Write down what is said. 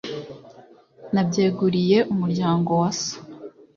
nabyeguriye umuryango wa so